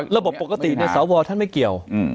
ท่านปกติในศวท่านไม่เกี่ยว